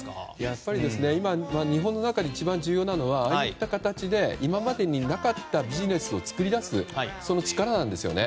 やっぱり今、日本の中で一番重要なのはああいった形で今までになかったビジネスを作り出す力なんですよね。